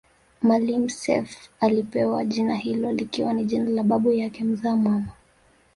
Maalim Self alipewa jina hilo likiwa ni jina la babu yake mzaa mama